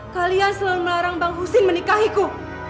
kalian selalu melarang bang husin menikahiku